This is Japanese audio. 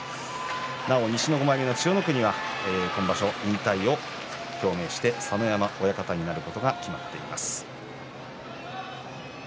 なお西の５枚目の千代の国が今場所、引退を表明して佐ノ山親方になることが決まっています。